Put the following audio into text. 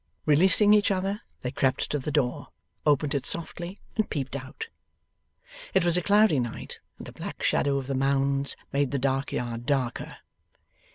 Releasing each other, they crept to the door, opened it softly, and peeped out. It was a cloudy night, and the black shadow of the Mounds made the dark yard darker.